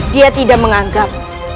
dia tidak menganggap